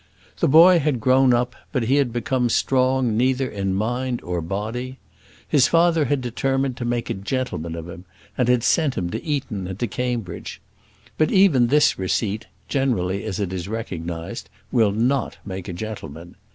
The boy had grown up, but had become strong neither in mind nor body. His father had determined to make a gentleman of him, and had sent to Eton and to Cambridge. But even this receipt, generally as it is recognised, will not make a gentleman.